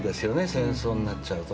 戦争になっちゃうと。